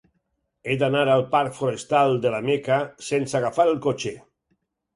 He d'anar al parc Forestal de la Meca sense agafar el cotxe.